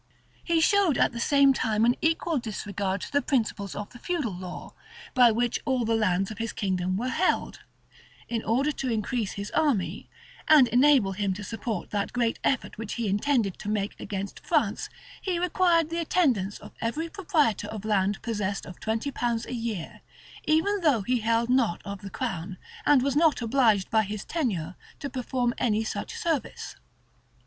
He showed at the same time an equal disregard to the principles of the feudal law, by which all the lands of his kingdom were held: in order to increase his army, and enable him to support that great effort which he intended to make against France, he required the attendance of every proprietor of land possessed of twenty pounds a year, even though he held not of the crown, and was not obliged by his tenure to perform any such service.